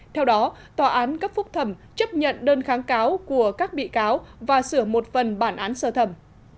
theo đó tòa án cấp phúc thẩm chấp nhận đơn kháng cáo của các bị cáo và sửa một phần bản án sơ thẩm